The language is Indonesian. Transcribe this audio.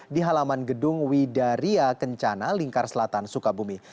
di halaman gedung widaria kencana lingkar selatan sukar bumi